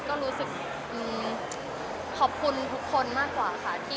ก็รู้สึกขอบคุณทุกคนมากกว่าค่ะ